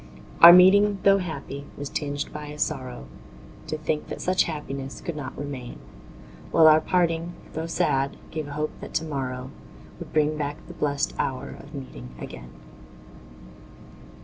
Our meeting, tho' happy, was tinged by a sorrow To think that such happiness could not remain; While our parting, tho' sad, gave a hope that to morrow Would bring back the blest hour of meeting again.